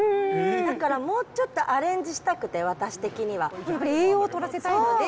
だから、もうちょっとアレンジしたくて、私的には。やっぱり栄養をとらせたいので。